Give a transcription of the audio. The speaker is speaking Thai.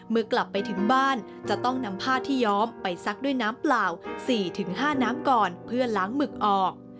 เมื่อกลับไปถึงบ้านจะต้องนำผ้าที่ย้อมไปซักด้วยน้ำเปล่า๔๕น้ำก่อนเพื่อล้างหมึกออก